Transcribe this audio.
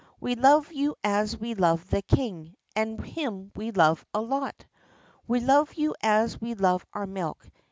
We love you as we love the King, And him we love a lot! We love you as we love our milk!